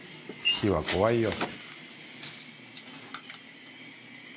火は怖いよ。